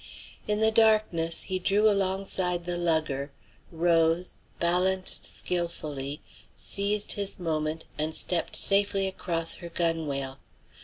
In the darkness he drew alongside the lugger, rose, balanced skilfully, seized his moment, and stepped safely across her gunwale.